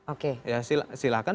oke ya silahkan